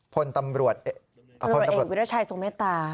พลตำรวจเอกวิรัชัยสมตร